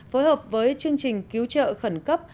phối hợp với chương trình cứu trợ khẩn cấp